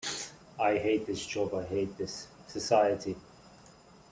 Few written works have their storyline taking place during Samo's Empire.